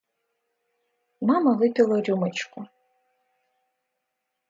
Мама выпила рюмочку.